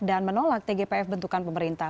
dan menolak tgpf bentukan pemerintah